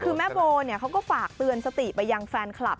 คือแม่โบเขาก็ฝากเตือนสติไปยังแฟนคลับ